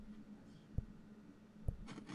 Todavía viven monjas en el área norte del complejo.